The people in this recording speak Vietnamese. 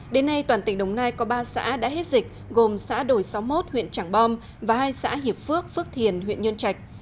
đến nay toàn tỉnh đồng nai có ba xã đã hết dịch gồm xã đồi sáu mươi một huyện trảng bom và hai xã hiệp phước phước thiền huyện nhơn trạch